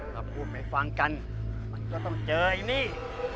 ถ้าพูดไม่ฟังกันมันก็ต้องเจอไอ้นี่